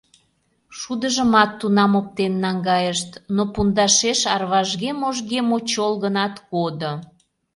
Шудыжымат тунам оптен наҥгайышт, но пундашеш арважге-можге мочол-гынат кодо.